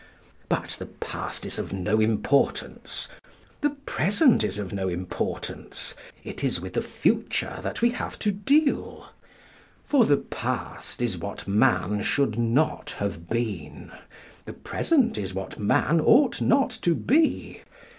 But the past is of no importance. The present is of no importance. It is with the future that we have to deal. For the past is what man should not have been. The present is what man ought not to be.